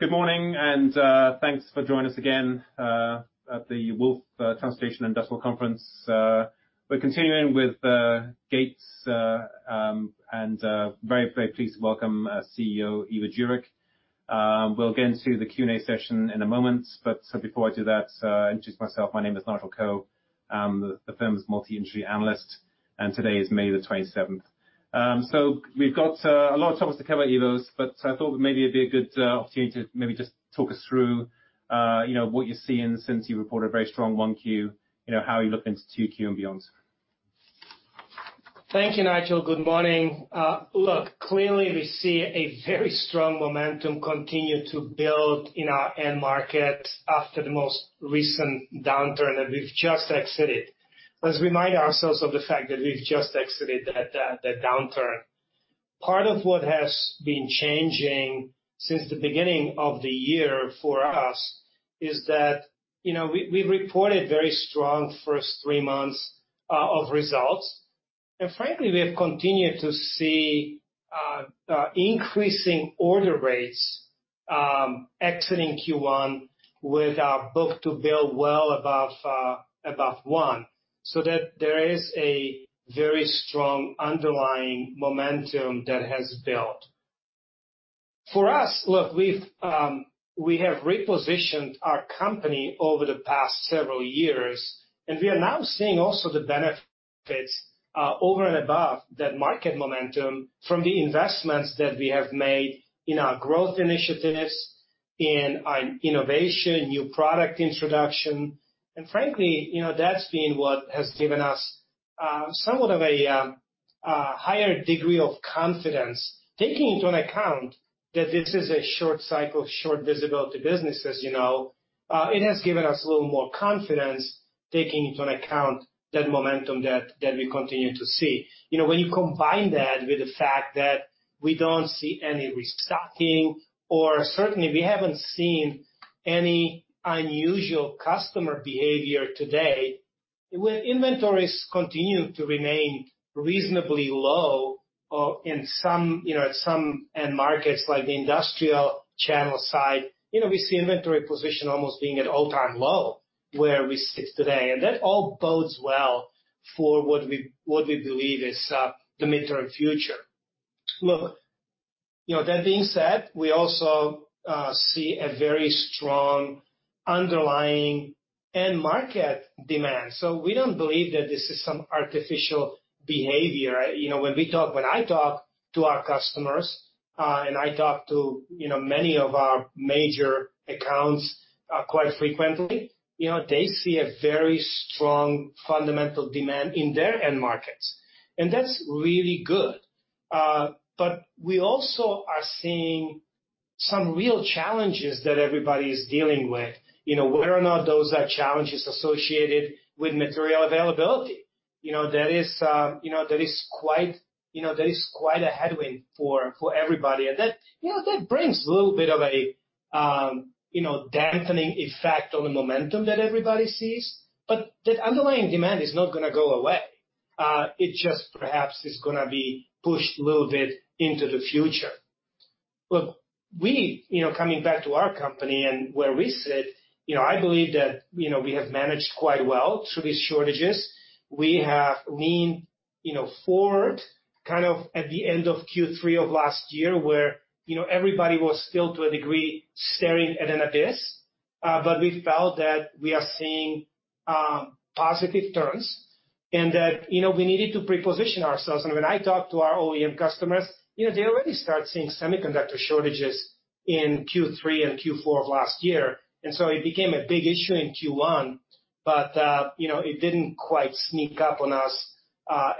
Good morning, and thanks for joining us again at the Wolfe Transportation Industrial conference. We're continuing with Gates, and I'm very, very pleased to welcome CEO Ivo Jurek. We'll get into the Q&A session in a moment, but before I do that, I'll introduce myself. My name is Nigel Coe. I'm the firm's multi-industry analyst, and today is May the 27th. We have a lot of topics to cover, Ivo, but I thought maybe it'd be a good opportunity to maybe just talk us through what you're seeing since you reported a very strong 1Q, how you're looking to 2Q and beyond. Thank you, Nigel. Good morning. Look, clearly we see a very strong momentum continue to build in our end market after the most recent downturn that we've just exited. Let's remind ourselves of the fact that we've just exited that downturn. Part of what has been changing since the beginning of the year for us is that we reported very strong first three months of results. Frankly, we have continued to see increasing order rates exiting Q1 with our book to bill well above one. There is a very strong underlying momentum that has built. For us, look, we have repositioned our company over the past several years, and we are now seeing also the benefits over and above that market momentum from the investments that we have made in our growth initiatives, in innovation, new product introduction. Frankly, that's been what has given us somewhat of a higher degree of confidence, taking into account that this is a short cycle, short visibility business, as you know. It has given us a little more confidence, taking into account that momentum that we continue to see. When you combine that with the fact that we do not see any restocking, or certainly we have not seen any unusual customer behavior today, with inventories continuing to remain reasonably low in some end markets like the industrial channel side, we see inventory position almost being at all-time low where we sit today. That all bodes well for what we believe is the midterm future. Look, that being said, we also see a very strong underlying end market demand. We do not believe that this is some artificial behavior. When I talk to our customers, and I talk to many of our major accounts quite frequently, they see a very strong fundamental demand in their end markets. That is really good. We also are seeing some real challenges that everybody is dealing with. Whether or not those are challenges associated with material availability, that is quite a headwind for everybody. That brings a little bit of a dampening effect on the momentum that everybody sees, but that underlying demand is not going to go away. It just perhaps is going to be pushed a little bit into the future. Look, coming back to our company and where we sit, I believe that we have managed quite well through these shortages. We have leaned forward kind of at the end of Q3 of last year where everybody was still to a degree staring at an abyss, but we felt that we are seeing positive turns and that we needed to preposition ourselves. When I talked to our OEM customers, they already started seeing semiconductor shortages in Q3 and Q4 of last year. It became a big issue in Q1, but it did not quite sneak up on us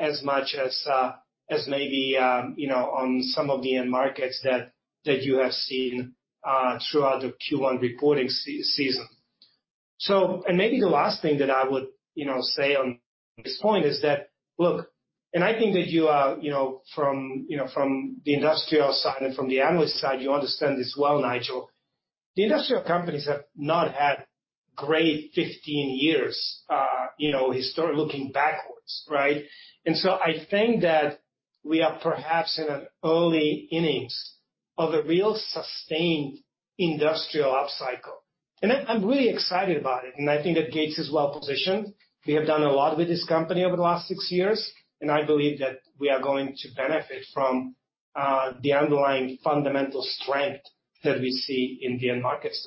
as much as maybe on some of the end markets that you have seen throughout the Q1 reporting season. Maybe the last thing that I would say on this point is that, look, I think that you from the industrial side and from the analyst side, you understand this well, Nigel. The industrial companies have not had great 15 years looking backwards, right? I think that we are perhaps in an early innings of a real sustained industrial upcycle. I am really excited about it. I think that Gates is well positioned. We have done a lot with this company over the last six years, and I believe that we are going to benefit from the underlying fundamental strength that we see in the end markets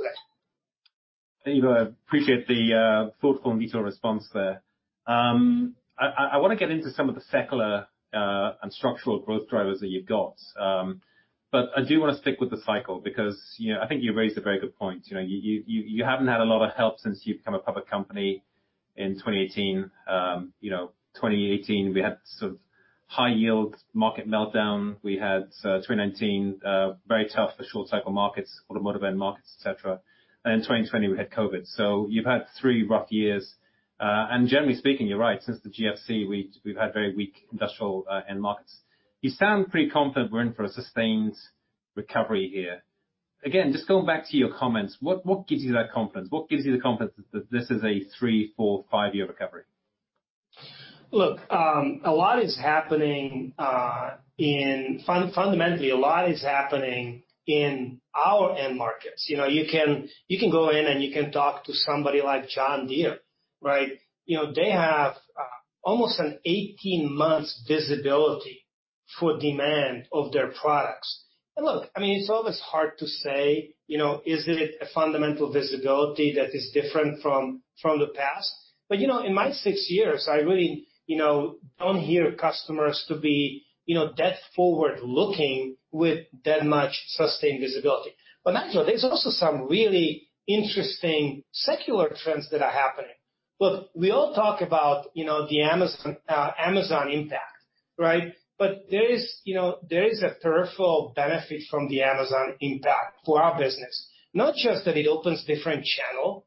today. I appreciate the thoughtful and detailed response there. I want to get into some of the secular and structural growth drivers that you've got, but I do want to stick with the cycle because I think you raised a very good point. You haven't had a lot of help since you became a public company in 2018. 2018, we had sort of high yield market meltdown. We had 2019, very tough for short cycle markets, automotive end markets, etc. In 2020, we had COVID. You have had three rough years. Generally speaking, you're right, since the GFC, we've had very weak industrial end markets. You sound pretty confident we're in for a sustained recovery here. Again, just going back to your comments, what gives you that confidence? What gives you the confidence that this is a three, four, five-year recovery? Look, a lot is happening in fundamentally, a lot is happening in our end markets. You can go in and you can talk to somebody like John Deere, right? They have almost an 18-month visibility for demand of their products. I mean, it's always hard to say, is it a fundamental visibility that is different from the past? In my six years, I really don't hear customers to be that forward-looking with that much sustained visibility. Nigel, there's also some really interesting secular trends that are happening. Look, we all talk about the Amazon impact, right? There is a peripheral benefit from the Amazon impact for our business. Not just that it opens a different channel,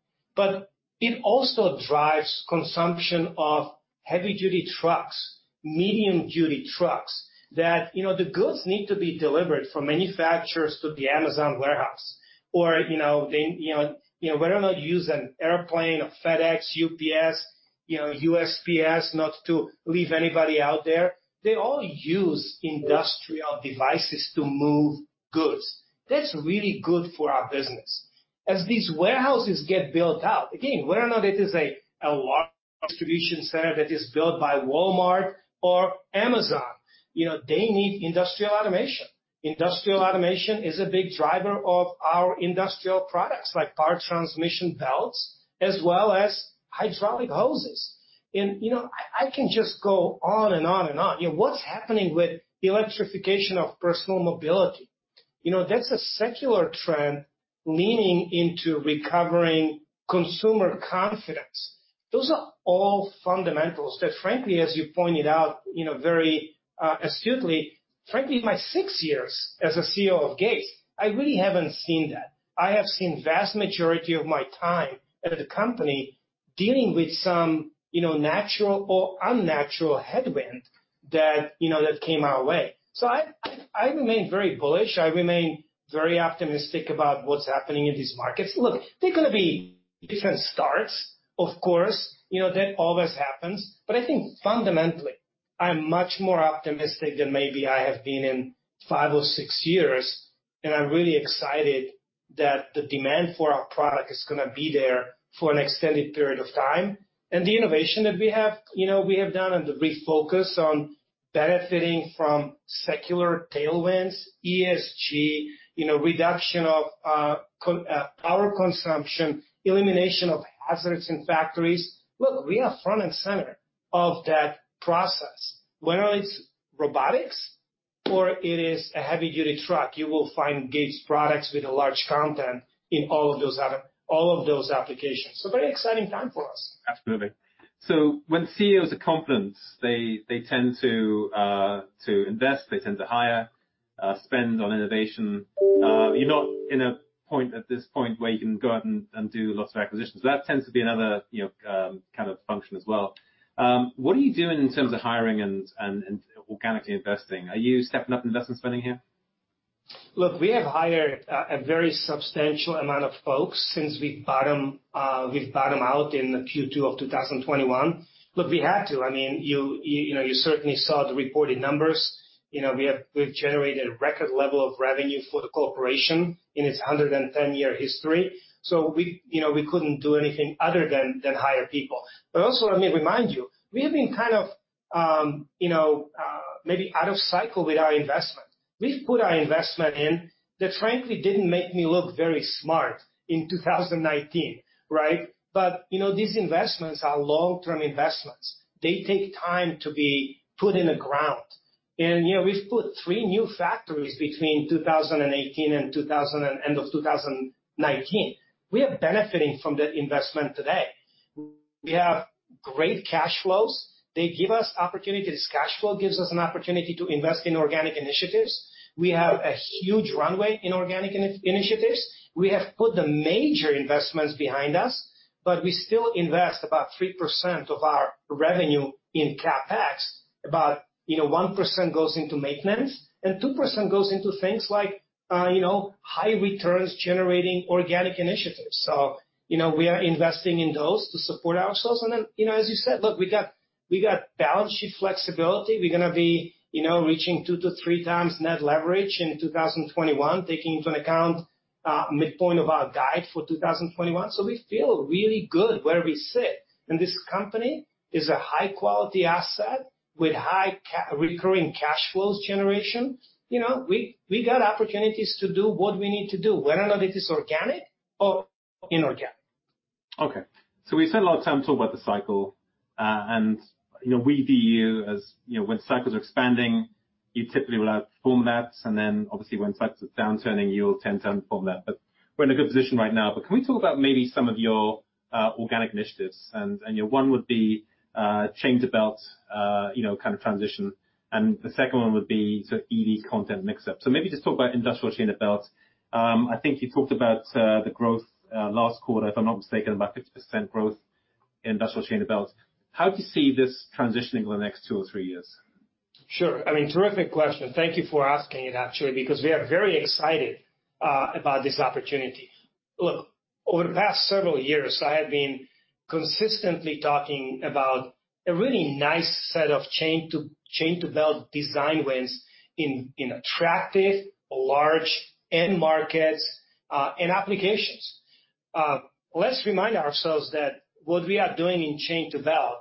it also drives consumption of heavy-duty trucks, medium-duty trucks that the goods need to be delivered from manufacturers to the Amazon warehouse. Whether or not you use an airplane or FedEx, UPS, USPS, not to leave anybody out there, they all use industrial devices to move goods. That is really good for our business. As these warehouses get built out, again, whether or not it is a large distribution center that is built by Walmart or Amazon, they need industrial automation. Industrial automation is a big driver of our industrial products like power transmission belts as well as hydraulic hoses. I can just go on and on and on. What is happening with electrification of personal mobility? That is a secular trend leaning into recovering consumer confidence. Those are all fundamentals that, frankly, as you pointed out very astutely, frankly, in my six years as CEO of Gates, I really have not seen that. I have seen the vast majority of my time at the company dealing with some natural or unnatural headwind that came our way. I remain very bullish. I remain very optimistic about what's happening in these markets. Look, there are going to be different starts, of course. That always happens. I think fundamentally, I'm much more optimistic than maybe I have been in five or six years. I'm really excited that the demand for our product is going to be there for an extended period of time. The innovation that we have done and the refocus on benefiting from secular tailwinds, ESG, reduction of power consumption, elimination of hazards in factories. Look, we are front and center of that process. Whether it's robotics or it is a heavy-duty truck, you will find Gates' products with a large content in all of those applications. Very exciting time for us. Absolutely. When CEOs are confident, they tend to invest, they tend to hire, spend on innovation. You're not in a point at this point where you can go out and do lots of acquisitions. That tends to be another kind of function as well. What are you doing in terms of hiring and organically investing? Are you stepping up investment spending here? Look, we have hired a very substantial amount of folks since we bottomed out in Q2 of 2021. Look, we had to. I mean, you certainly saw the reported numbers. We've generated a record level of revenue for the corporation in its 110-year history. We couldn't do anything other than hire people. Also, let me remind you, we have been kind of maybe out of cycle with our investment. We've put our investment in that, frankly, did not make me look very smart in 2019, right? These investments are long-term investments. They take time to be put in the ground. We've put three new factories between 2018 and end of 2019. We are benefiting from the investment today. We have great cash flows. They give us opportunities. Cash flow gives us an opportunity to invest in organic initiatives. We have a huge runway in organic initiatives. We have put the major investments behind us, but we still invest about 3% of our revenue in CapEx. About 1% goes into maintenance and 2% goes into things like high returns generating organic initiatives. We are investing in those to support ourselves. As you said, look, we got balance sheet flexibility. We are going to be reaching two to three times net leverage in 2021, taking into account midpoint of our guide for 2021. We feel really good where we sit. This company is a high-quality asset with high recurring cash flows generation. We got opportunities to do what we need to do, whether or not it is organic or inorganic. Okay. We spent a lot of time talking about the cycle. We view as when cycles are expanding, you typically will have formats. Obviously, when cycles are downturning, you'll tend to have a format. We are in a good position right now. Can we talk about maybe some of your organic initiatives? One would be chain to belt kind of transition. The second one would be sort of EV content mix-up. Maybe just talk about industrial chain to belt. I think you talked about the growth last quarter, if I'm not mistaken, about 50% growth in industrial chain to belt. How do you see this transitioning over the next two or three years? Sure. I mean, terrific question. Thank you for asking it, actually, because we are very excited about this opportunity. Look, over the past several years, I have been consistently talking about a really nice set of chain to belt design wins in attractive, large end markets and applications. Let's remind ourselves that what we are doing in chain to belt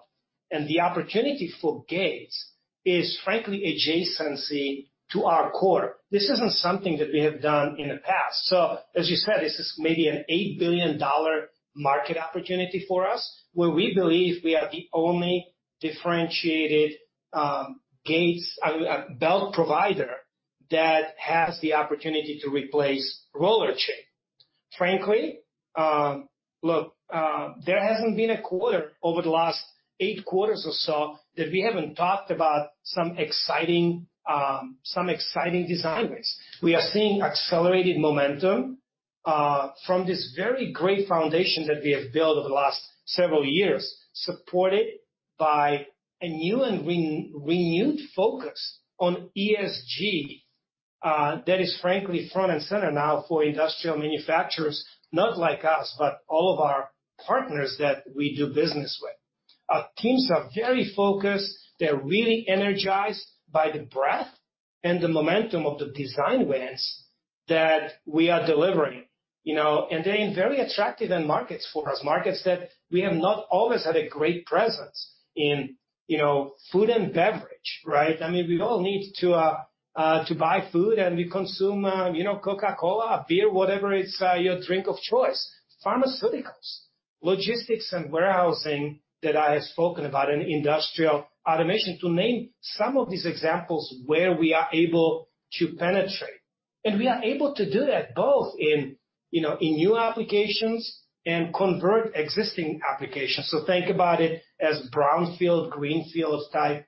and the opportunity for Gates is, frankly, adjacency to our core. This isn't something that we have done in the past. As you said, this is maybe an $8 billion market opportunity for us where we believe we are the only differentiated Gates belt provider that has the opportunity to replace roller chain. Frankly, look, there hasn't been a quarter over the last eight quarters or so that we haven't talked about some exciting design wins. We are seeing accelerated momentum from this very great foundation that we have built over the last several years, supported by a new and renewed focus on ESG that is, frankly, front and center now for industrial manufacturers, not like us, but all of our partners that we do business with. Our teams are very focused. They're really energized by the breadth and the momentum of the design wins that we are delivering. They're in very attractive end markets for us, markets that we have not always had a great presence in food and beverage, right? I mean, we all need to buy food and we consume Coca-Cola, beer, whatever, it's your drink of choice. Pharmaceuticals, logistics, and warehousing that I have spoken about, and industrial automation to name some of these examples where we are able to penetrate. We are able to do that both in new applications and convert existing applications. Think about it as brownfield, greenfield type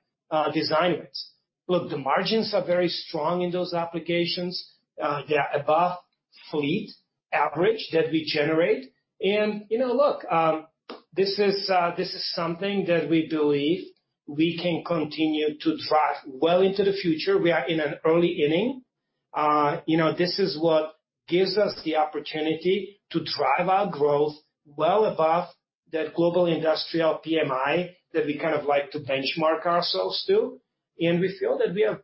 design wins. Look, the margins are very strong in those applications. They are above fleet average that we generate. This is something that we believe we can continue to drive well into the future. We are in an early inning. This is what gives us the opportunity to drive our growth well above that Global Industrial PMI that we kind of like to benchmark ourselves to. We feel that we are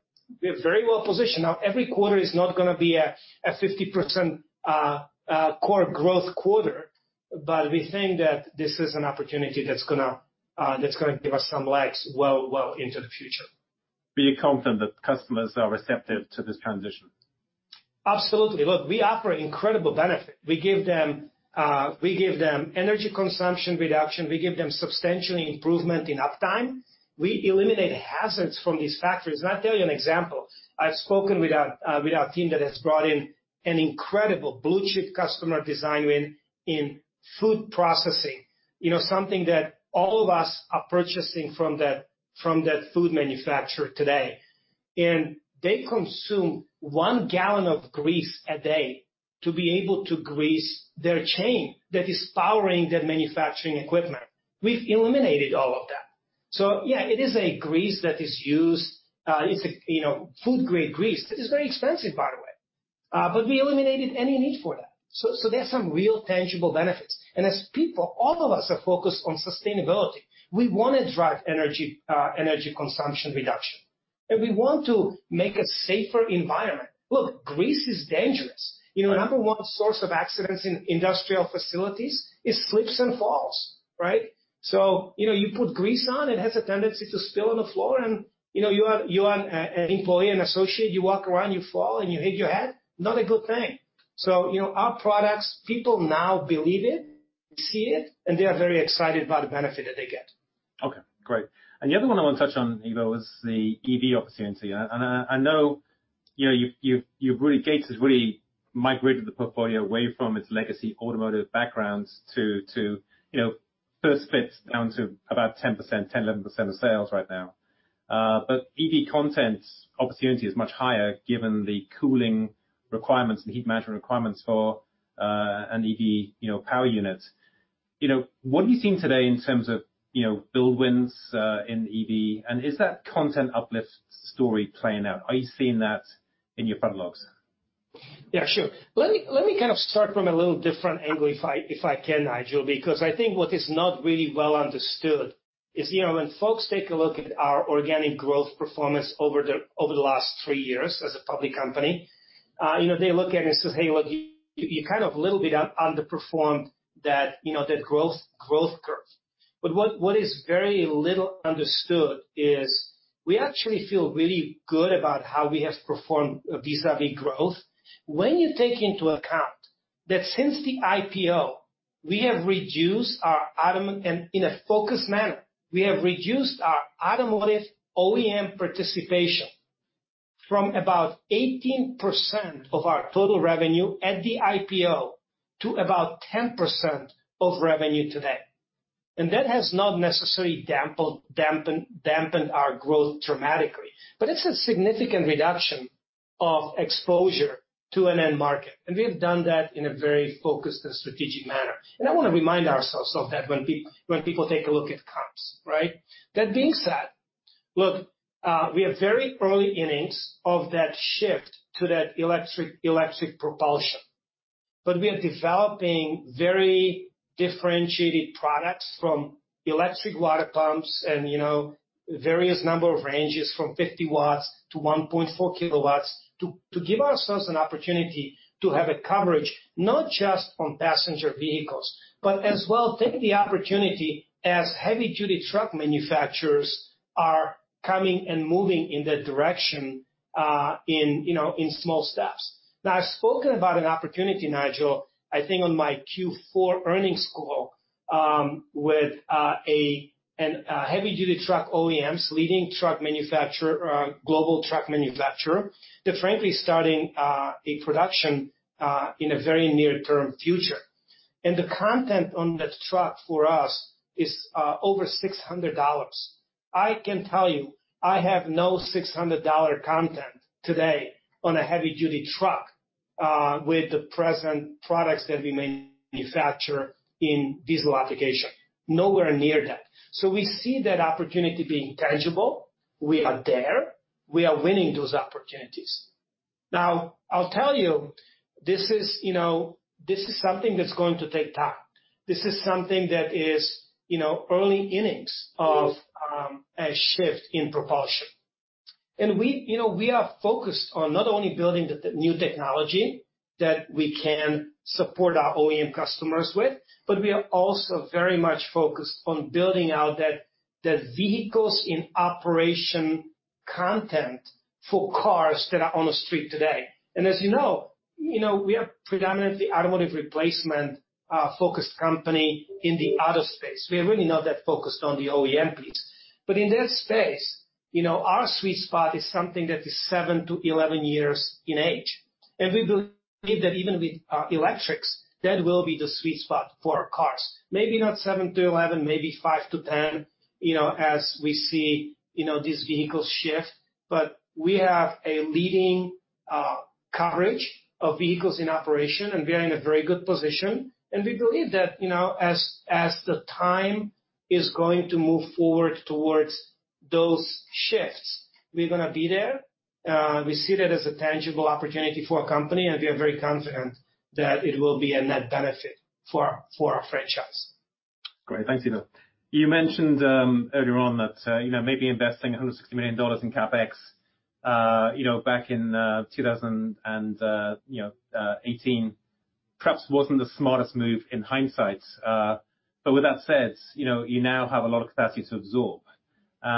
very well positioned. Now, every quarter is not going to be a 50% core growth quarter, but we think that this is an opportunity that's going to give us some legs well into the future. Are you confident that customers are receptive to this transition? Absolutely. Look, we offer incredible benefit. We give them energy consumption reduction. We give them substantial improvement in uptime. We eliminate hazards from these factories. I'll tell you an example. I've spoken with our team that has brought in an incredible blue chip customer design win in food processing, something that all of us are purchasing from that food manufacturer today. They consume one gallon of grease a day to be able to grease their chain that is powering that manufacturing equipment. We've eliminated all of that. Yeah, it is a grease that is used. It's a food-grade grease. It is very expensive, by the way. We eliminated any need for that. There are some real tangible benefits. As people, all of us are focused on sustainability. We want to drive energy consumption reduction. We want to make a safer environment. Look, grease is dangerous. Number one source of accidents in industrial facilities is slips and falls, right? You put grease on, it has a tendency to spill on the floor. You are an employee, an associate, you walk around, you fall, and you hit your head. Not a good thing. Our products, people now believe it, see it, and they are very excited about the benefit that they get. Okay. Great. The other one I want to touch on, Ivo, was the EV opportunity. I know Gates has really migrated the portfolio away from its legacy automotive backgrounds to first fits down to about 10%, 10%-11% of sales right now. EV content opportunity is much higher given the cooling requirements and heat management requirements for an EV power unit. What are you seeing today in terms of build wins in EV? Is that content uplift story playing out? Are you seeing that in your catalogs? Yeah, sure. Let me kind of start from a little different angle if I can, Nigel, because I think what is not really well understood is when folks take a look at our organic growth performance over the last three years as a public company, they look at it and say, "Hey, look, you kind of a little bit underperformed that growth curve." What is very little understood is we actually feel really good about how we have performed vis-à-vis growth when you take into account that since the IPO, we have reduced our automotive and in a focused manner, we have reduced our automotive OEM participation from about 18% of our total revenue at the IPO to about 10% of revenue today. That has not necessarily dampened our growth dramatically. It is a significant reduction of exposure to an end market. We have done that in a very focused and strategic manner. I want to remind ourselves of that when people take a look at comps, right? That being said, look, we have very early innings of that shift to that electric propulsion. We are developing very differentiated products from electric water pumps and various number of ranges from 50 W to 1.4 kW to give ourselves an opportunity to have a coverage not just on passenger vehicles, but as well take the opportunity as heavy-duty truck manufacturers are coming and moving in that direction in small steps. I have spoken about an opportunity, Nigel, I think on my Q4 earnings call with a heavy-duty truck OEMs, leading truck manufacturer, global truck manufacturer that, frankly, is starting a production in a very near-term future. The content on that truck for us is over $600. I can tell you, I have no $600 content today on a heavy-duty truck with the present products that we manufacture in diesel application. Nowhere near that. We see that opportunity being tangible. We are there. We are winning those opportunities. I will tell you, this is something that's going to take time. This is something that is early innings of a shift in propulsion. We are focused on not only building the new technology that we can support our OEM customers with, we are also very much focused on building out that vehicles in operation content for cars that are on the street today. As you know, we are predominantly automotive replacement-focused company in the auto space. We are really not that focused on the OEM piece. In that space, our sweet spot is something that is 7 years -11 years in age. We believe that even with electrics, that will be the sweet spot for our cars. Maybe not 7 years-11 years, maybe 5 years-10 years as we see these vehicles shift. We have a leading coverage of vehicles in operation, and we are in a very good position. We believe that as the time is going to move forward towards those shifts, we are going to be there. We see that as a tangible opportunity for our company, and we are very confident that it will be a net benefit for our franchise. Great. Thanks, Ivo. You mentioned earlier on that maybe investing $160 million in CapEx back in 2018 perhaps was not the smartest move in hindsight. With that said, you now have a lot of capacity to absorb. Where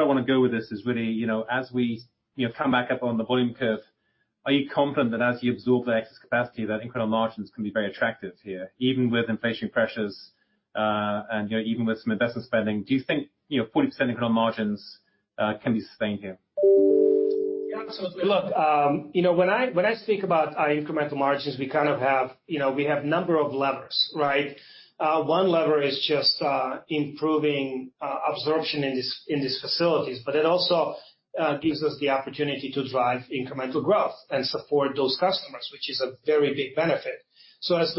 I want to go with this is really, as we come back up on the volume curve, are you confident that as you absorb the excess capacity, incremental margins can be very attractive here, even with inflationary pressures and even with some investment spending? Do you think 40% incremental margins can be sustained here? Absolutely. Look, when I speak about our incremental margins, we kind of have a number of levers, right? One lever is just improving absorption in these facilities, but it also gives us the opportunity to drive incremental growth and support those customers, which is a very big benefit. As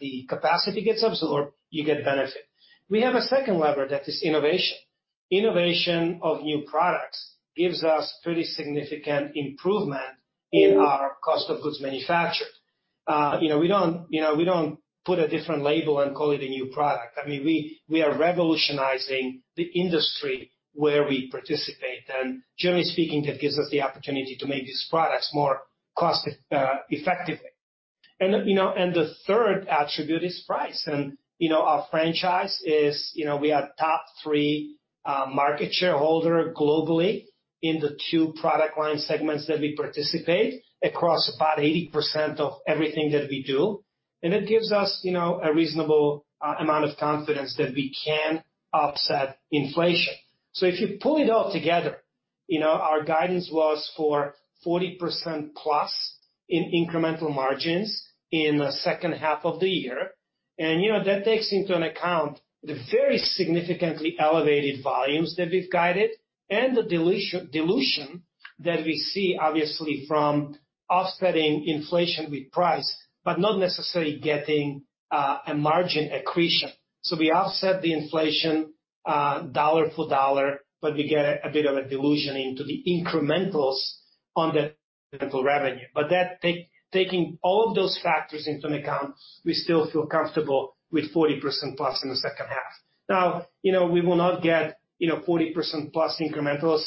the capacity gets absorbed, you get benefit. We have a second lever that is innovation. Innovation of new products gives us pretty significant improvement in our cost of goods manufactured. We do not put a different label and call it a new product. I mean, we are revolutionizing the industry where we participate. Generally speaking, that gives us the opportunity to make these products more cost-effective. The third attribute is price. Our franchise is we are top three market shareholder globally in the two product line segments that we participate across about 80% of everything that we do. It gives us a reasonable amount of confidence that we can offset inflation. If you pull it all together, our guidance was for 40% + in incremental margins in the second half of the year. That takes into account the very significantly elevated volumes that we've guided and the dilution that we see, obviously, from offsetting inflation with price, but not necessarily getting a margin accretion. We offset the inflation dollar for dollar, but we get a bit of a dilution into the incrementals on that incremental revenue. Taking all of those factors into account, we still feel comfortable with 40% + in the second half. We will not get 40% + incrementals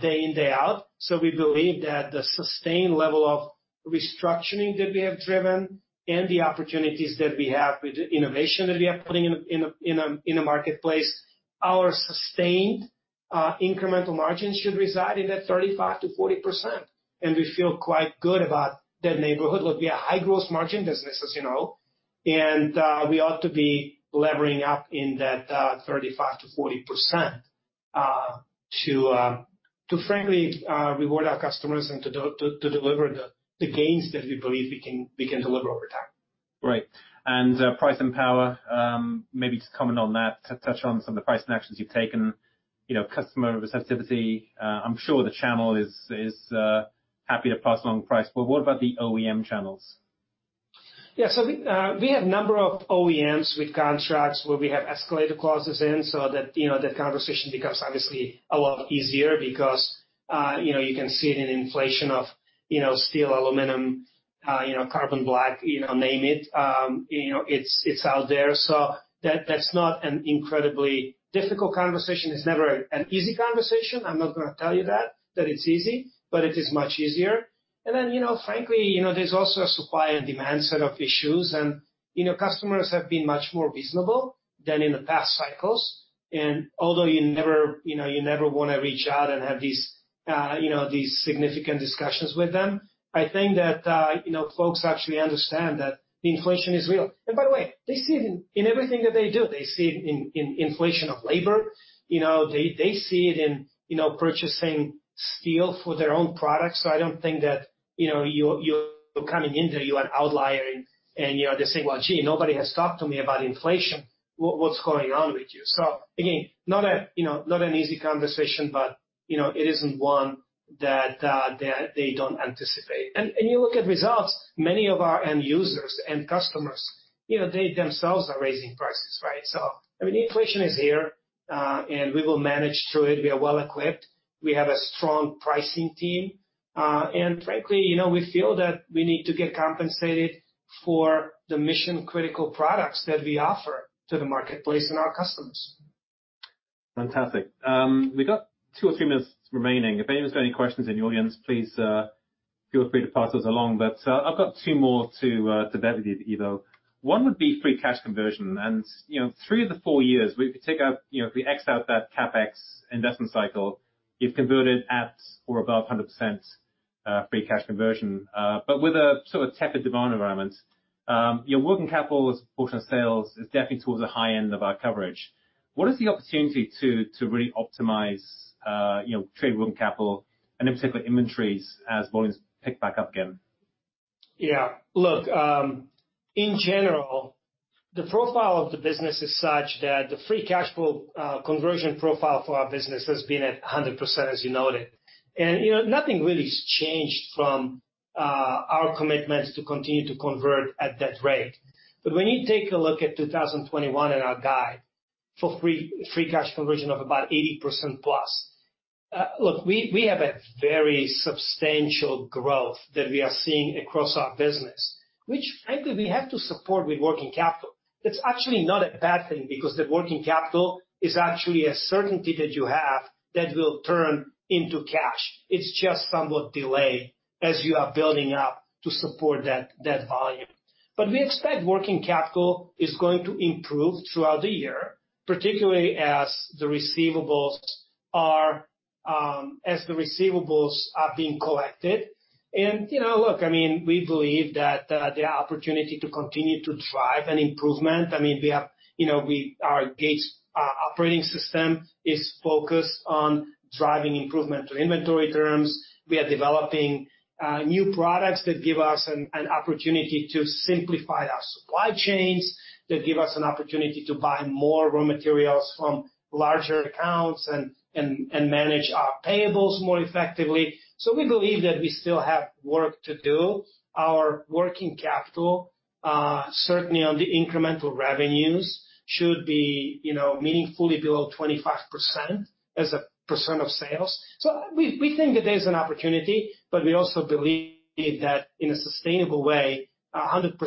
day in, day out. We believe that the sustained level of restructuring that we have driven and the opportunities that we have with the innovation that we are putting in the marketplace, our sustained incremental margin should reside in that 35%-40%. We feel quite good about that neighborhood. Look, we are a high-growth margin business, as you know. We ought to be levering up in that 35%-40% to, frankly, reward our customers and to deliver the gains that we believe we can deliver over time. Right. Price and power, maybe to comment on that, to touch on some of the price and actions you've taken, customer receptivity, I'm sure the channel is happy to pass along price. What about the OEM channels? Yeah. We have a number of OEMs with contracts where we have escalator clauses in so that the conversation becomes obviously a lot easier because you can see it in inflation of steel, aluminum, carbon black, name it. It's out there. That's not an incredibly difficult conversation. It's never an easy conversation. I'm not going to tell you that it's easy, but it is much easier. Frankly, there's also a supply and demand set of issues. Customers have been much more reasonable than in the past cycles. Although you never want to reach out and have these significant discussions with them, I think that folks actually understand that the inflation is real. By the way, they see it in everything that they do. They see it in inflation of labor. They see it in purchasing steel for their own products. I do not think that you are coming in there, you are an outlier, and they are saying, "Well, gee, nobody has talked to me about inflation. What is going on with you?" Again, not an easy conversation, but it is not one that they do not anticipate. You look at results, many of our end users, end customers, they themselves are raising prices, right? I mean, inflation is here, and we will manage through it. We are well equipped. We have a strong pricing team. Frankly, we feel that we need to get compensated for the mission-critical products that we offer to the marketplace and our customers. Fantastic. We've got two or three minutes remaining. If anyone's got any questions in the audience, please feel free to pass those along. I've got two more to debate with you, Ivo. One would be free cash conversion. Three of the four years, if we take out, if we X out that CapEx investment cycle, you've converted at or above 100% free cash conversion. With a sort of tepid demand environment, working capital as a portion of sales is definitely towards the high end of our coverage. What is the opportunity to really optimize trade working capital and in particular inventories as volumes pick back up again? Yeah. Look, in general, the profile of the business is such that the free cash flow conversion profile for our business has been at 100%, as you noted. Nothing really has changed from our commitment to continue to convert at that rate. When you take a look at 2021 in our guide for free cash conversion of about 80%+, look, we have a very substantial growth that we are seeing across our business, which, frankly, we have to support with working capital. That is actually not a bad thing because the working capital is actually a certainty that you have that will turn into cash. It is just somewhat delayed as you are building up to support that volume. We expect working capital is going to improve throughout the year, particularly as the receivables are being collected. Look, I mean, we believe that the opportunity to continue to drive an improvement. I mean, our Gates operating system is focused on driving improvement to inventory turns. We are developing new products that give us an opportunity to simplify our supply chains, that give us an opportunity to buy more raw materials from larger accounts and manage our payables more effectively. We believe that we still have work to do. Our working capital, certainly on the incremental revenues, should be meaningfully below 25% as a percent of sales. We think that there's an opportunity, but we also believe that in a sustainable way, 100%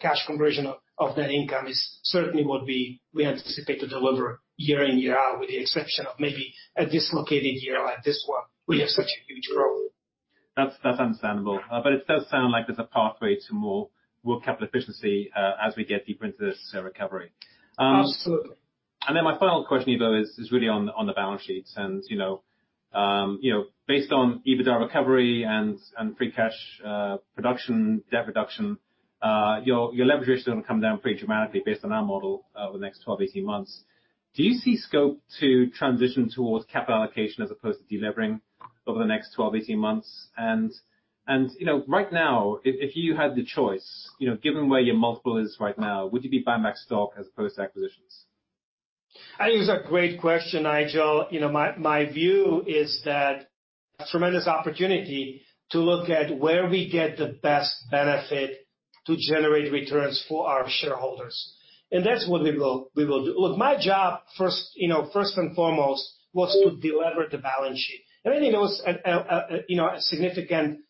cash conversion of that income is certainly what we anticipate to deliver year in, year out, with the exception of maybe a dislocated year like this where we have such a huge growth. That's understandable. It does sound like there's a pathway to more work capital efficiency as we get deeper into this recovery. Absolutely. My final question, Ivo, is really on the balance sheets. Based on EBITDA recovery and free cash production, debt reduction, your leverage ratios are going to come down pretty dramatically based on our model over the next 12 months-18 months. Do you see scope to transition towards capital allocation as opposed to delevering over the next 12 months-18 months? Right now, if you had the choice, given where your multiple is right now, would you be buying back stock as opposed to acquisitions? I think it's a great question, Nigel. My view is that tremendous opportunity to look at where we get the best benefit to generate returns for our shareholders. That's what we will do. Look, my job, first and foremost, was to deliver the balance sheet. I think there was a significant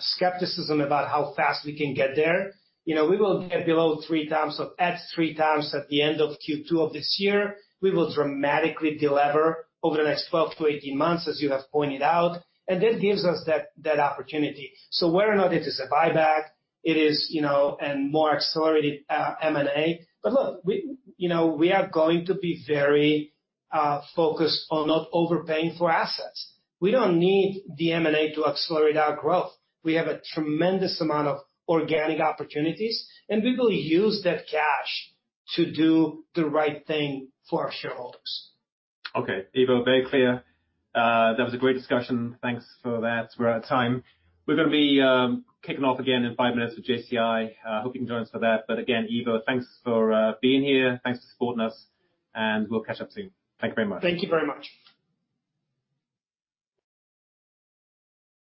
skepticism about how fast we can get there. We will get below three times, at three times at the end of Q2 of this year, we will dramatically deliver over the next 12 months-18 months, as you have pointed out. That gives us that opportunity. Whether or not it is a buyback, it is more accelerated M&A. Look, we are going to be very focused on not overpaying for assets. We don't need the M&A to accelerate our growth. We have a tremendous amount of organic opportunities, and we will use that cash to do the right thing for our shareholders. Okay. Ivo, very clear. That was a great discussion. Thanks for that. We're out of time. We're going to be kicking off again in five minutes with JCI. I hope you can join us for that. Again, Ivo, thanks for being here. Thanks for supporting us. We'll catch up soon. Thank you very much. Thank you very much.